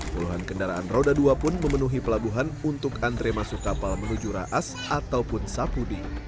puluhan kendaraan roda dua pun memenuhi pelabuhan untuk antre masuk kapal menuju raas ataupun sapudi